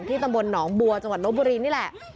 ตำบลหนองบัวจังหวัดลบบุรีนี่แหละ